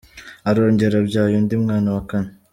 , arongera abyaye undi mwana wa kane.